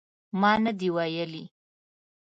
ما نه دي ویلي